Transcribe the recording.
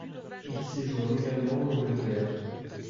Il séjourne également en Angleterre.